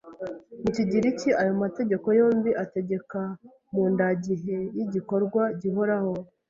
mu Kigiriki, ayo mategeko yombi ategeka mu ndagihe y'igikorwa gihoraho;